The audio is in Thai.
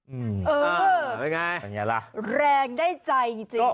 เออเป็นไงแรงได้ใจจริงจริง